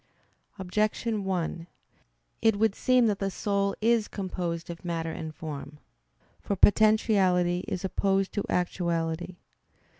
Objection 1: It would seem that the soul is composed of matter and form. For potentiality is opposed to actuality.